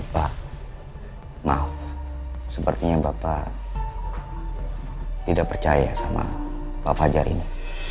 pak maaf sepertinya bapak tidak percaya sama pak fajar ini